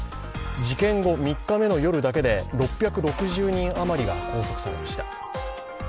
事件後３日目の夜だけで６６４人余りが拘束されました。